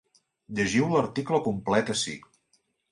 Llegiu l’article complet ací.